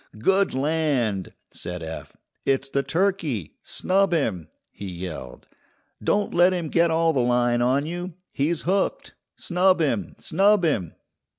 "Good land!" said Eph; "it's the turkey! Snub him," he yelled. "Don't let him get all the line on you! He's hooked! Snub him! snub him!"